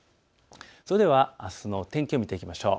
それではあすの天気、見ていきましょう。